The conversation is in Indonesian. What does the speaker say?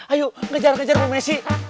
ayo ngejar ngejar kok messi